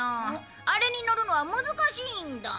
あれにのるのは難しいんだ。